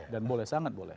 dan boleh sangat boleh